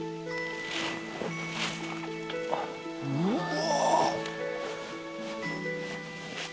うわ！